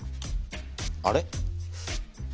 あれ？